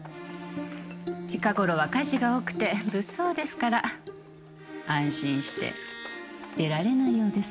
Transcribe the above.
近頃は火事が多くて物騒ですから安心して出られないようです。